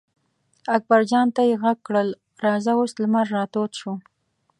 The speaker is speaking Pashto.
اکبر جان ته یې غږ کړل: راځه اوس لمر را تود شو.